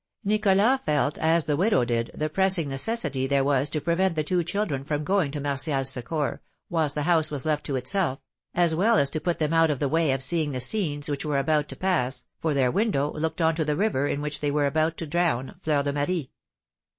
Nicholas felt as the widow did the pressing necessity there was to prevent the two children from going to Martial's succour whilst the house was left to itself, as well as to put them out of the way of seeing the scenes which were about to pass, for their window looked onto the river in which they were about to drown Fleur de Marie.